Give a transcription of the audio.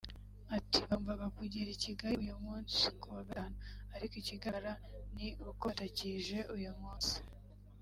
Ati “Bagombaga kugera i Kigali uyu munsi [kuwa Gatanu] ariko ikigaragara ni uko batakije uyu munsi